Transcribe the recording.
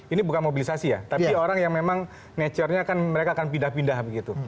ini bukan mobilisasi ya tapi orang yang memang nature nya kan mereka akan pindah pindah begitu